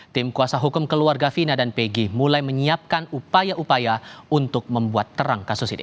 tim kuasa hukum keluarga fina dan pg mulai menyiapkan upaya upaya untuk membuat terang kasus ini